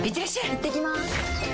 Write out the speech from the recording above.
いってきます！